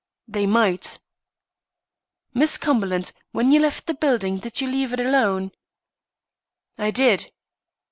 "They might." "Miss Cumberland, when you left the building, did you leave it alone?" "I did."